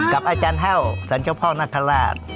กับอาจารย์เฮ่าสรรพนักฎราช